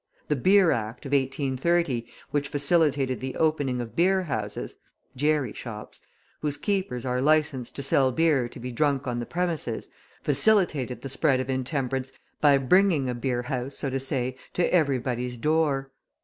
The Beer Act of 1830, which facilitated the opening of beerhouses (jerry shops), whose keepers are licensed to sell beer to be drunk on the premises, facilitated the spread of intemperance by bringing a beerhouse, so to say, to everybody's door.